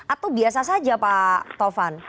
atau biasa saja pak tovan